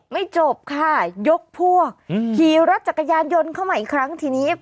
จบค่ะยกพวกขี่รถจักรยานยนต์เข้ามาอีกครั้งทีนี้